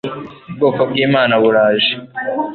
ubwoko b'imana buraje